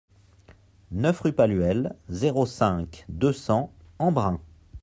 neuf rue Palluel, zéro cinq, deux cents Embrun